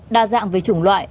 đa dạng về chủng loại